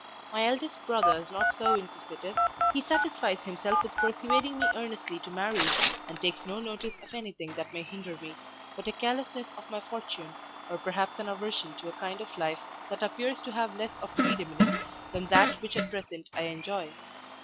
My eldest brother is not so inquisitive; he satisfies himself with persuading me earnestly to marry, and takes no notice of anything that may hinder me, but a carelessness of my fortune, or perhaps an aversion to a kind of life that appears to have less of freedom in't than that which at present I enjoy.